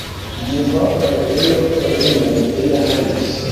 Igihe twakoraga ibirometero bine yari ananiwe